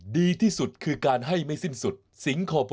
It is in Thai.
ดีที่สุดคือการให้ไม่สิ้นสุดสิงคอร์ป